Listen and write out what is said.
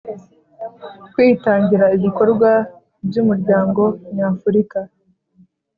kwitangira ibikorwa by Umuryango nyafurika